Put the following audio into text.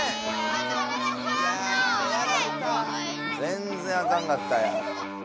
全然あかんかったやん。